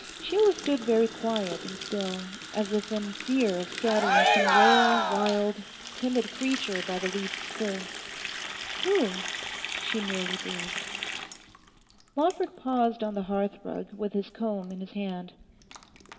Sheila stood very quiet and still, as if in fear of scaring some rare, wild, timid creature by the least stir. 'Who?' she merely breathed. Lawford paused on the hearth rug with his comb in his hand.